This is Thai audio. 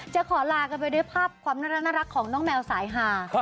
จะขอลากันไปด้วยภาพความน่ารักของน้องแมวสายหา